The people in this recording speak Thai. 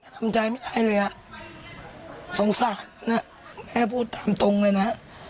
ทำใจไม่ได้เลยอ่ะสงสารนะแม่พูดตามตรงเลยนะ